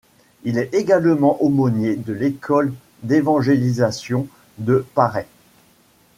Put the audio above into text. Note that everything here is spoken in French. Il est également aumônier de l'école d'évangélisation de Paray.